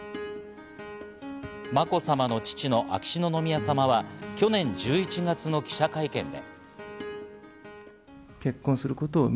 まこさまの父の秋篠宮さまは去年１１月の記者会見で。